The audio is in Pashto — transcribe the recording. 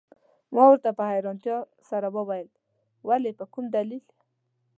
ما ورته په حیرانتیا سره وویل: ولي، په کوم دلیل؟